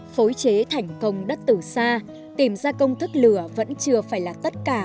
phối chế thành công đất từ xa tìm ra công thức lửa vẫn chưa phải là tất cả